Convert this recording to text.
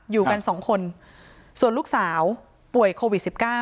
อยู่กันสองคนส่วนลูกสาวป่วยโควิด๑๙